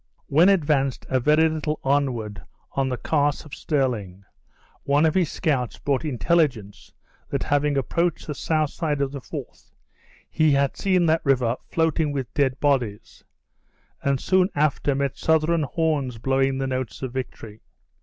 When advanced a very little onward on the Carse of Stirling, one of his scouts brought intelligence that having approached the south side of the Forth, he had seen that river floating with dead bodies; and soon after met Southron horns blowing the notes of victory.